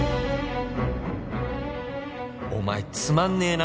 「お前つまんねーな」